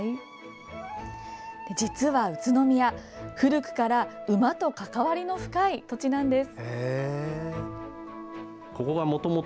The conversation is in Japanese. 実は宇都宮、古くから馬と関わりの深い土地なんです。